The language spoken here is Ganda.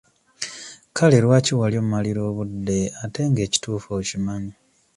Kale lwaki wali ommalira obudde ate nga ekituufu okimanyi?